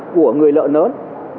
của người lợi lớn